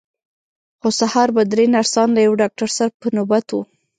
خو سهار به درې نرسان له یوه ډاکټر سره په نوبت وو.